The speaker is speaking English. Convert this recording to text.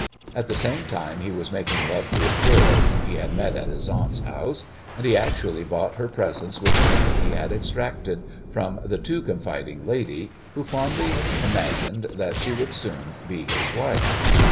At the same time he was making love to a girl whom he had met at his aunt's house, and he actually bought her presents with the money he had extracted from the too confiding lady who fondly imagined that she would soon be his wife.